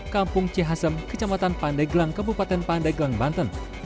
kampung cihasem kecamatan pandeglang kabupaten pandeglang banten